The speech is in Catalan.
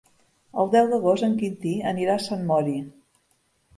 El deu d'agost en Quintí anirà a Sant Mori.